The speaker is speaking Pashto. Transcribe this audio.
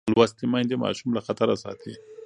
لوستې میندې ماشوم له خطره ساتي.